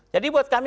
jadi buat kami